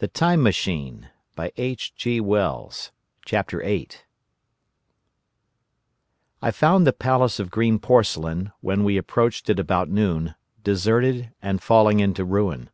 The Palace of Green Porcelain "I found the Palace of Green Porcelain, when we approached it about noon, deserted and falling into ruin.